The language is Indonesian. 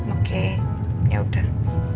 oke ya udah